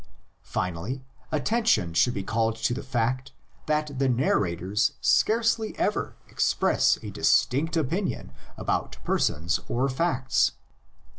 Finally, attention should be called to the fact that the narrators scarcely ever express a distinct opin ion about persons or facts.